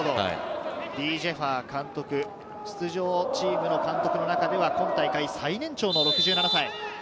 李済華監督、出場チームの監督の中では今大会最年長の６７歳。